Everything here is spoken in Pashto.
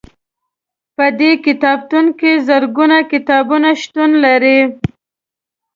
په دې کتابتون کې زرګونه کتابونه شتون لري.